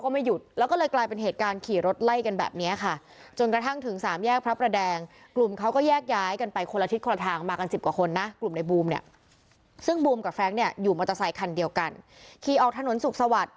มาจากไซคันเดียวกันคี่ออกถนนสุกสวัสดิ์